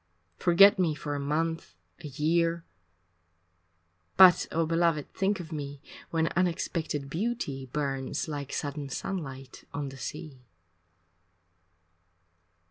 Forget me for a month, a year, But, oh, beloved, think of me When unexpected beauty burns Like sudden sunlight on the sea.